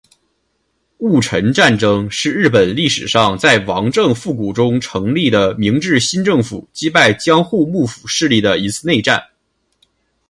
戊辰战争是日本历史上在王政复古中成立的明治新政府击败江户幕府势力的一次内战。